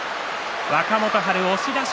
若元春、押し出し。